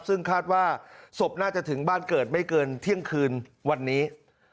ซึ่งคาดว่าศพน่าจะถึงบ้านเกิดไม่เกินเที่ยงคืนวันนี้